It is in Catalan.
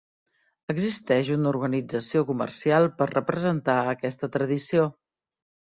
Existeix una organització comercial per representar aquesta tradició.